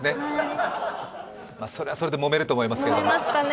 それはそれでもめると思いますけど。